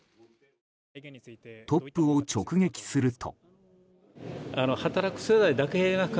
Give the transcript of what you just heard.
トップを直撃すると。